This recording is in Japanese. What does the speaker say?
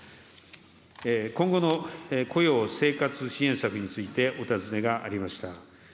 今後の雇用生活支援策についてお尋ねがありました。